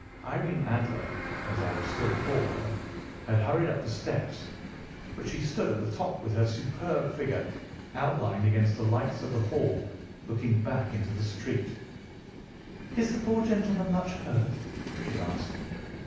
Irene Adler, as I will still call her, had hurried up the steps; but she stood at the top with her superb figure outlined against the lights of the hall, looking back into the street. "Is the poor gentleman much hurt?" she asked.